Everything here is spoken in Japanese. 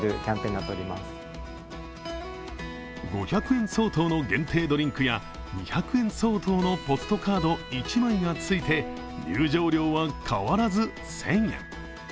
５００円相当の限定ドリンクや２００円のポストカード１枚がついて入場料は変わらず１０００円。